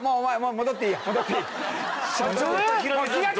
戻っていい。